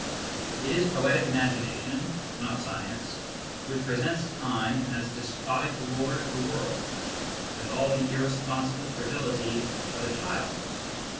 It is poetic imagination, not science, which presents Time as despotic lord of the world, with all the irrespon ~ible frivolity of a child.